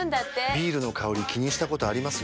ビールの香り気にしたことあります？